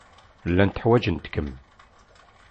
Llant ḥwajent-kem.